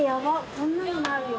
こんなのもあるよ。